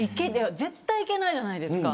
絶対いけないじゃないですか。